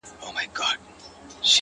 o پاچهي پاچهانو لره ښايي، لويي خداى لره.